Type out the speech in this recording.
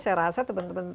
saya rasa teman teman